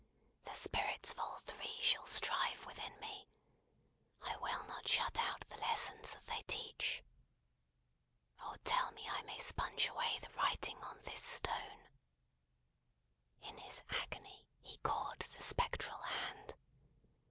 The Spirits of all Three shall strive within me. I will not shut out the lessons that they teach. Oh, tell me I may sponge away the writing on this stone!" In his agony, he caught the spectral hand.